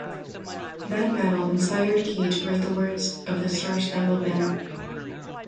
That battle inspired Key to write the words of the Star Spangled Banner.